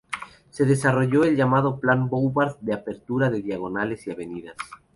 Se desarrolló el llamado Plan Bouvard de apertura de diagonales y avenidas.